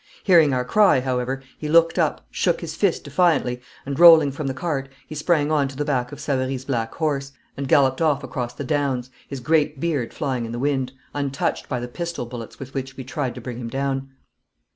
Hearing our cry, however, he looked up, shook his fist defiantly, and, rolling from the cart, he sprang on to the back of Savary's black horse, and galloped off across the downs, his great beard flying in the wind, untouched by the pistol bullets with which we tried to bring him down.